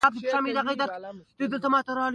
څو زده کوونکي دې متن په غور سره ولولي.